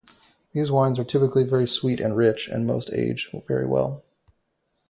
These wines are typically very sweet and rich, and most age very well.